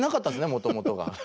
もともとが。